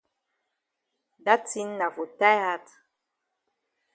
Da tin na for tie hat.